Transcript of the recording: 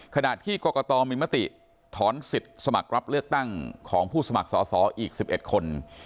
ขณะที่กรกตมีมติถอนสิทธิ์สมัครรับเลือกตั้งของผู้สมัครสอสออีก๑๑คน